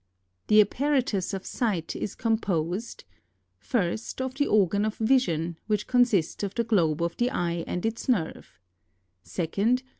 13. The apparatus of sight is composed: 1st. of the organ of vision, which consists of the globe of the eye and its nerve; 2nd.